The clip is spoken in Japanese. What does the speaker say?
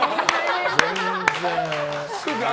全然。